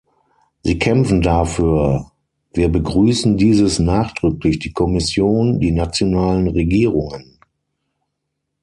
Sie kämpfen dafür wir begrüßen dieses nachdrücklich die Kommission, die nationalen Regierungen.